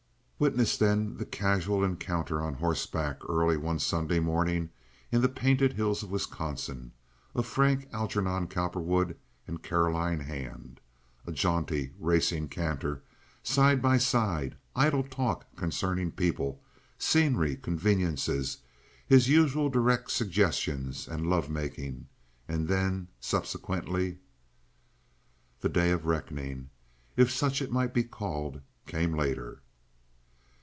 Witness then the casual encounter on horseback, early one Sunday morning in the painted hills of Wisconsin, of Frank Algernon Cowperwood and Caroline Hand. A jaunty, racing canter, side by side; idle talk concerning people, scenery, conveniences; his usual direct suggestions and love making, and then, subsequently— The day of reckoning, if such it might be called, came later.